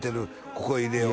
ここへ入れよう